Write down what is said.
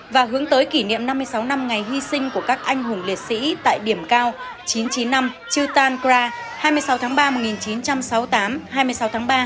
và hướng tới kỷ niệm năm mươi sáu năm ngày hy sinh của các anh hùng liệt sĩ tại điểm cao chín trăm chín mươi năm chutan kra hai mươi sáu tháng ba